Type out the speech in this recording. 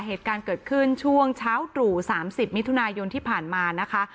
เหตุการณ์เกิดขึ้นช่วงเช้าตรู่๓๐มิถุนายนที่ผ่านมานะคะ